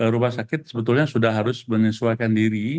rumah sakit sebetulnya sudah harus menyesuaikan diri